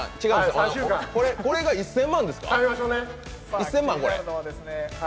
これが１０００万円ですか？